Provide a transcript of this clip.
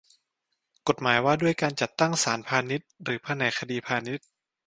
กฎหมายว่าด้วยการจัดตั้งศาลพาณิชย์หรือแผนกคดีพาณิชย์